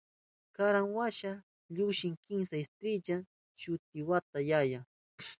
Karan wata llukshin kimsa istirilla, shutin wata yaya.